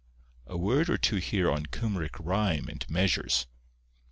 A word or two here on Cymric rhyme and measures.